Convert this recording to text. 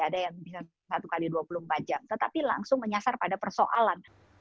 ada yang bisa satu x dua puluh empat jam tetapi langsung menyasar pada persoalan